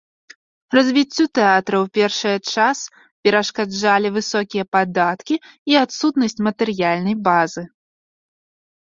Развіццю тэатра ў першае час перашкаджалі высокія падаткі і адсутнасць матэрыяльнай базы.